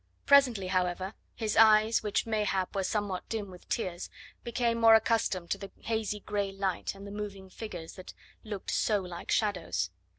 Presently, however, his eyes, which mayhap were somewhat dim with tears, became more accustomed to the hazy grey light and the moving figures that looked so like shadows.